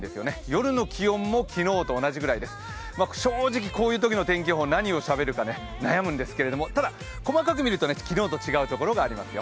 夜の気温も昨日と同じぐらいです、正直、こういうときの天気予報、何をしゃべるか悩むんですが、ただ細かく見ると昨日と違うところがありますよ。